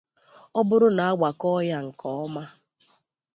Ọ bụrụ na a gbakọọ ya nke ọma